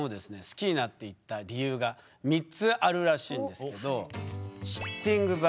好きになっていった理由が３つあるらしいんですけど。